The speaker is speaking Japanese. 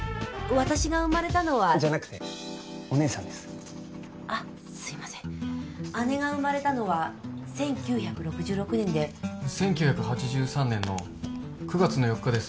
私が生まれたのはじゃなくてお姉さんですあッすいません姉が生まれたのは１９６６年で１９８３年の９月の４日です